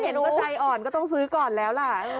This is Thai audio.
ดิฉันเห็นว่าใจอ่อนก็ต้องซื้อก่อนแล้วล่ะ